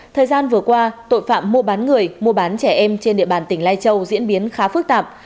thời gian vừa qua tội phạm mua bán người mua bán trẻ em trên địa bàn tỉnh lai châu diễn biến khá phức tạp